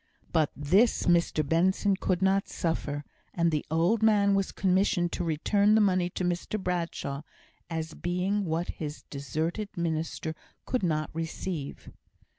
But this Mr Benson could not suffer; and the old man was commissioned to return the money to Mr Bradshaw, as being what his deserted minister could not receive.